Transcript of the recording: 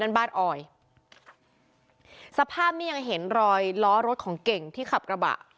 บ้านออยสภาพนี้ยังเห็นรอยล้อรถของเก่งที่ขับกระบะ